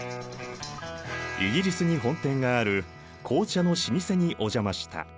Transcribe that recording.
イギリスに本店がある紅茶の老舗にお邪魔した。